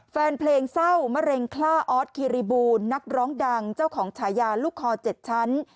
แฟนเพลงเศร้ามะเร็งคล่าออสคิริบูลนักร้องดังเจ้าของฉายาลูกคอ๗ชั้น